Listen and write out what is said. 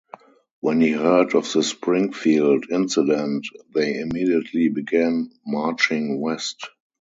When he heard of the Springfield incident, they immediately began marching west.